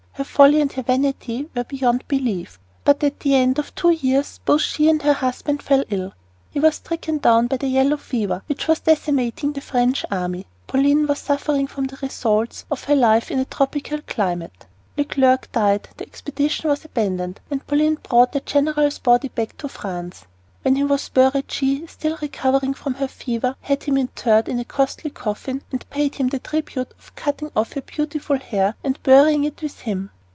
Her folly and her vanity were beyond belief. But at the end of two years both she and her husband fell ill. He was stricken down by the yellow fever, which was decimating the French army. Pauline was suffering from the results of her life in a tropical climate. Leclerc died, the expedition was abandoned, and Pauline brought the general's body back to France. When he was buried she, still recovering from her fever, had him interred in a costly coffin and paid him the tribute of cutting off her beautiful hair and burying it with him.